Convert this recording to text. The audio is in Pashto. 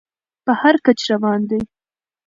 په هر کچ روان دى.